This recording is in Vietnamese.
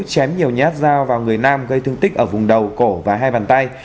chém nhiều nhát dao vào người nam gây thương tích ở vùng đầu cổ và hai bàn tay